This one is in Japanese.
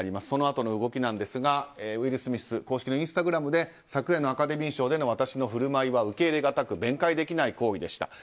そのあとの動きですがウィル・スミス公式のインスタグラムで昨夜のアカデミー賞での私の振る舞いは受け入れがたく弁解できない行為でした。